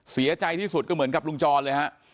เสียใจที่สุดก็เหมือนกับลุงจรเลยฮะ